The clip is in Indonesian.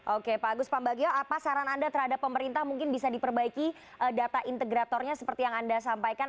oke pak agus pambagio apa saran anda terhadap pemerintah mungkin bisa diperbaiki data integratornya seperti yang anda sampaikan